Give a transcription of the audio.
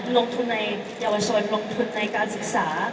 ลงทุนในเยาวชนลงทุนในการศึกษา